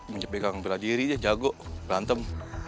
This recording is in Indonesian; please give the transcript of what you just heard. menyebikang berada diri jago berantem